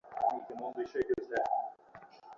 আমি ডাণ্ডি চড়িয়া অনেক পিছে পড়িয়াছিলাম।